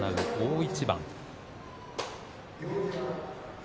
大一番。